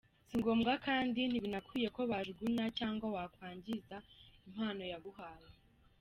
Si ngombwa kandi ntibinakwiye ko wajugunya cyangwa wakwangiza impano yaguhaye.